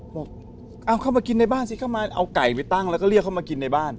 บอกเอาเข้ามากินในบ้านสิเข้ามาเอาไก่ไปตั้งแล้วก็เรียกเข้ามากินในบ้าน